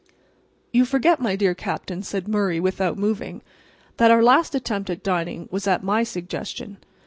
"You forget, my dear Captain," said Murray, without moving, "that our last attempt at dining was at my suggestion."